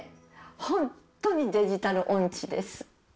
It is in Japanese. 本当にデジタル音痴です。